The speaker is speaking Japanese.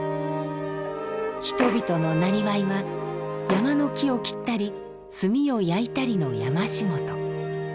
人々の生業は山の木を切ったり炭を焼いたりの山仕事。